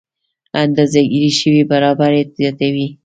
اندازه ګیره شوې برابري زیاتوي.